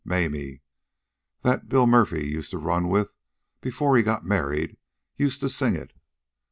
Mamie, that Billy Murphy used to run with before he got married, used to sing it.